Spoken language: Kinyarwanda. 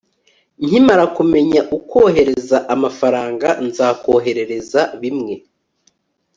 nkimara kumenya ukohereza amafaranga, nzakoherereza bimwe